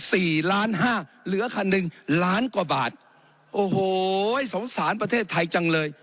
สี่ล้านห้าเหลือคันหนึ่งล้านกว่าบาทโอ้โหสงสารประเทศไทยจังเลย